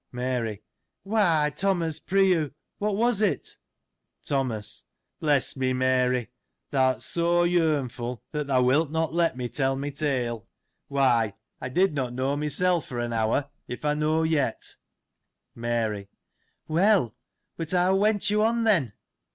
Mary. — Why, Thomas, pr'y you, what was it ? Thomas. — Bless me, Mary! Thou'rt so yearnfuP that thou 1. Extremely anxious. 3x eso wilt not let me tell my tale. Why, I did not know myself, for an hour — if I know yet. Mary. — Well : but how went you on, then